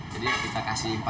jadi kita kasih rp empat ya